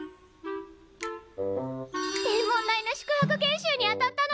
天文台の宿泊研修に当たったの！